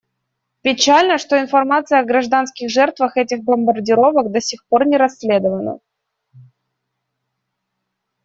Печально, что информация о гражданских жертвах этих бомбардировок до сих пор не расследована.